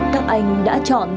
các anh đã chọn